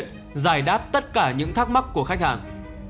người này có thể cài đặt tất cả những thắc mắc của khách hàng